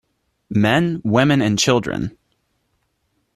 Men, women and children.